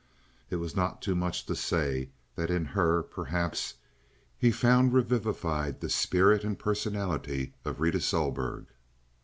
It is not too much to say that in her, perhaps, he found revivified the spirit and personality of Rita Sohlberg.